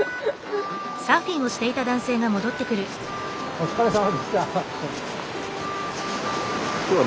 お疲れさまでした。